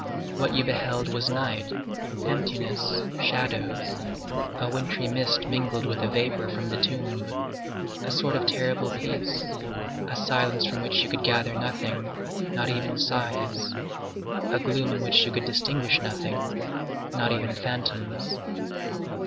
What you beheld was night, emptiness, shadows, a wintry mist mingled with a vapor from the tomb, a sort of terrible peace, a silence from which you could gather nothing, not even sighs, a gloom in which you could distinguish nothing, not even phantoms.